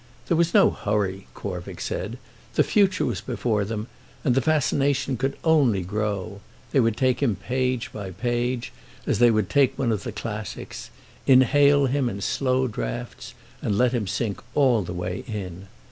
There was no hurry, Corvick said the future was before them and the fascination could only grow; they would take him page by page, as they would take one of the classics, inhale him in slow draughts and let him sink all the way in.